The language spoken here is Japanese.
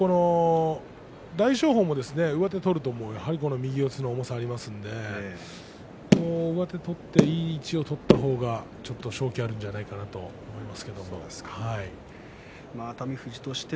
大翔鵬も上手を取ると相手は重さがありますので上手のいい位置を取った方が勝機があるんじゃないかと思います。